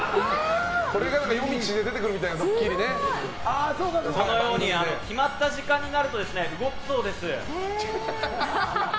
これが夜道で出てくるみたいなこのように決まった時間になると動くそうです。